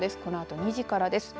このあと２時からです。